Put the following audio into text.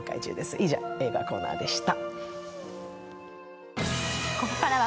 以上映画コーナーでした。